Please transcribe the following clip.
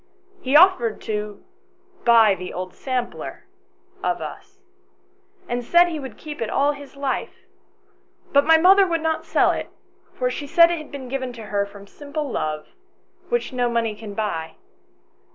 He offered to buy the old sampler of us, and said he would keep it all his life ; but my mother would not sell it, for she said it had been given to her from simple love, which no money can buy.